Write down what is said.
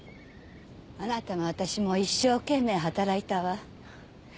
あなたも私も一生懸命働いたわ。